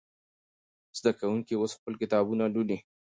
زده کوونکي اوس خپل کتابونه لولي.